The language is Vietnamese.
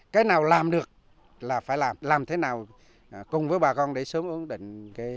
cái nào làm được là phải làm làm thế nào cùng với bà con để sớm ổn định khu vực ở mới